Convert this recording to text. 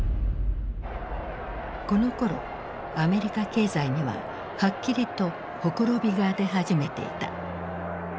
このころアメリカ経済にははっきりと綻びが出始めていた。